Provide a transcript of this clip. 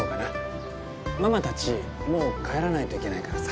ママたちもう帰らないといけないからさ。